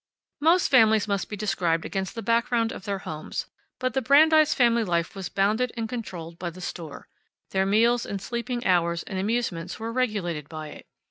Most families must be described against the background of their homes, but the Brandeis family life was bounded and controlled by the store. Their meals and sleeping hours and amusements were regulated by it.